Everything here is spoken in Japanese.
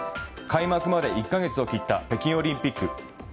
開幕まで１か月を切った北京オリンピック。